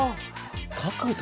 角度？